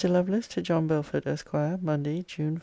LOVELACE, TO JOHN BELFORD, ESQ. MONDAY, JUNE 5.